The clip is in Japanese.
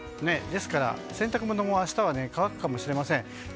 ですから、洗濯物も明日は乾くかもしれません。